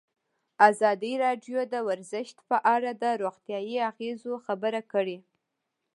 ازادي راډیو د ورزش په اړه د روغتیایي اغېزو خبره کړې.